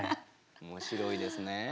面白いですね。